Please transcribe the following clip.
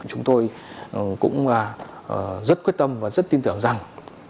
chúng tôi cũng rất quyết tâm và rất tin tưởng rằng